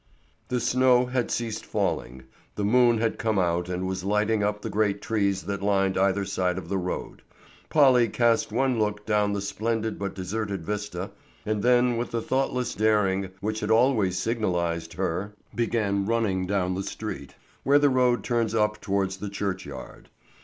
The snow had ceased falling, the moon had come out and was lighting up the great trees that lined either side of the road. Polly cast one look down the splendid but deserted vista, and then with the thoughtless daring which had always signalized her, began running down the street towards that end of the town where the road turns up towards the churchyard.